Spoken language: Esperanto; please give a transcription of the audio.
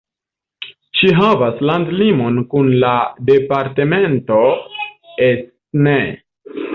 Ĝi havas landlimon kun la departemento Aisne.